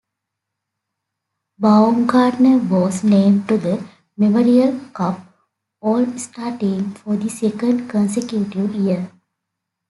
Baumgartner was named to the Memorial Cup All-Star Team for the second consecutive year.